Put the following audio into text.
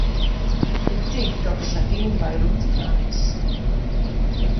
Ik tink dat der sa geandewei rûmte kaam is.